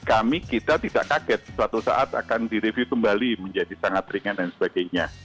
kami kita tidak kaget suatu saat akan direview kembali menjadi sangat ringan dan sebagainya